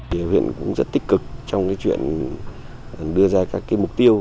thì huyện cũng rất tích cực trong cái chuyện đưa ra các cái mục tiêu